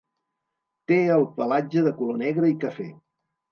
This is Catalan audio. Té el pelatge de color negre i cafè.